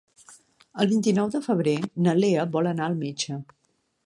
El vint-i-nou de febrer na Lea vol anar al metge.